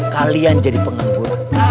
kalian jadi pengangguran